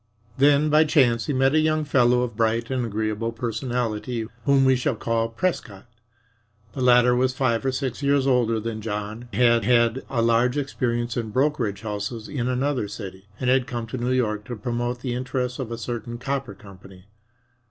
Then by chance he met a young fellow of bright and agreeable personality whom we shall call Prescott. The latter was five or six years older than John, had had a large experience in brokerage houses in another city, and had come to New York to promote the interests of a certain copper company.